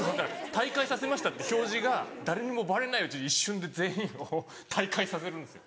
退会させましたって表示が誰にもバレないうちに一瞬で全員を退会させるんですよ